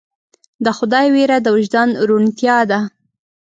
د خدای ویره د وجدان روڼتیا ده.